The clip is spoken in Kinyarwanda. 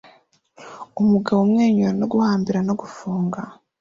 Umugabo umwenyura no guhambira no gufunga